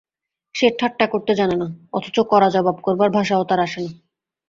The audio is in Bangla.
সে ঠাট্টা করতে জানে না, অথচ কড়া জবাব করবার ভাষাও তার আসে না।